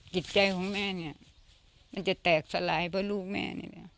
จิตใจของแม่เนี่ยมันจะแตกสลายเพราะลูกแม่นี่แหละ